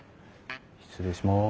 失礼します。